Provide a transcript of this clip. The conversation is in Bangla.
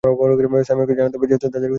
সাইমনকে জানাতে হবে যে তাদের ভৃত্য মারা গেছে।